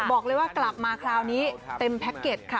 บอกเลยว่ากลับมาคราวนี้เต็มแพ็คเก็ตค่ะ